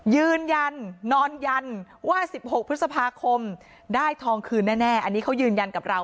ยืนยันนอนยันว่า๑๖พฤษภาคมได้ทองคืนแน่อันนี้เขายืนยันกับเรา